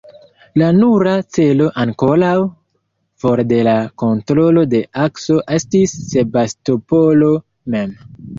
La nura celo ankoraŭ for de la kontrolo de Akso estis Sebastopolo mem.